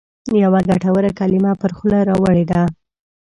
یوه ګټوره کلمه پر خوله راوړې ده.